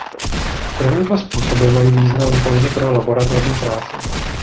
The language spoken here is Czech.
První dva způsoby mají význam pouze pro laboratorní práci.